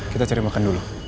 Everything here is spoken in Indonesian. kita cari makan dulu